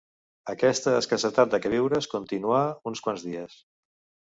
Aquesta escassetat de queviures continuà uns quants dies